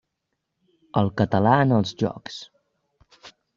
El català en els jocs.